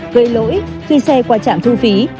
gây lỗi khi xe qua trạng thu phí